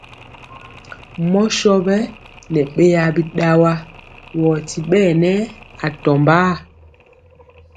Mɔ sɔ wɛ nɛ beya biɗawa, wɔ ti ɓɛɛ nɛ atɔmbaa.